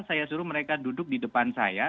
saya suruh mereka duduk di depan saya